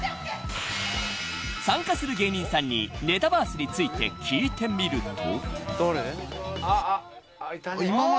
［参加する芸人さんにネタバースについて聞いてみると］